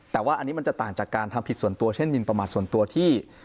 แต่ว่าอันนี้มันจะต่างจากการทำผิดส่วนตัวเช่นมินประมาทส่วนตัวที่